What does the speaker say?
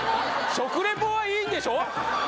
食レポはいいんでしょ？